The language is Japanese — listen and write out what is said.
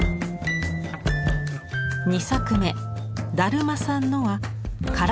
２作目「だるまさんの」は体に着目。